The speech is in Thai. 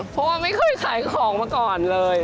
ก็ไปขายของมาก่อนเลย